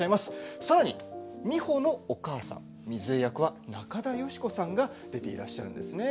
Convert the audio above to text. さらに美穂のお母さんみずえ役、中田喜子さんが演じていらっしゃいます。